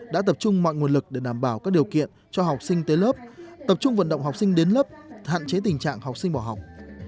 đã tập trung mọi nguồn lực để đảm bảo các điều kiện cho học sinh tới lớp tập trung vận động học sinh đến lớp hạn chế tình trạng học sinh bỏ học